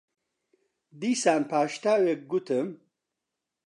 دیسان پاش تاوێک گوتم: